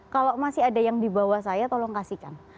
kalau masih ada yang di bawah saya tolong kasihkan